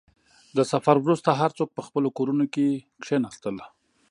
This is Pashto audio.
• د سفر وروسته، هر څوک په خپلو کورونو کښېناستل.